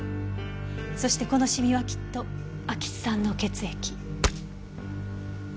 そしてこのシミはきっと安芸津さんの血液。